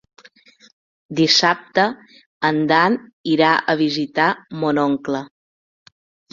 Dissabte en Dan irà a visitar mon oncle.